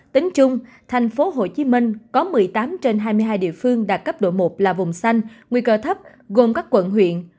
tính chung tp hcm có một mươi tám trên hai mươi hai địa phương đạt cấp độ một là vùng xanh nguy cơ thấp gồm các quận huyện